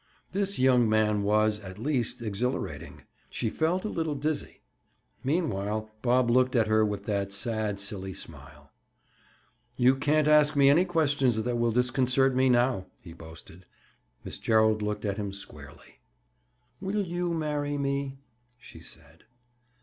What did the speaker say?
This young man was, at least, exhilarating. She felt a little dizzy. Meanwhile Bob looked at her with that sad silly smile. "You can't ask me any questions that will disconcert me now," he boasted. Miss Gerald looked at him squarely. "Will you marry me?" she said.